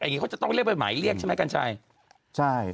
เขาจะต้องเรียกเป็นหมายเรียกใช่ไหมกันชัย